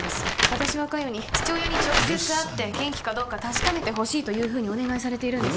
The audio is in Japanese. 私は加代に父親に直接会って元気かどうか確かめてほしいとお願いされているんです